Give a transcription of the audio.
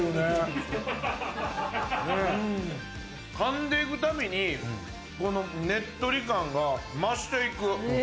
噛んで行くたびに、このねっとり感が増していく。